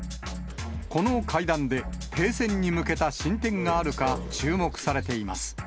この会談で、停戦に向けた進展があるか注目されています。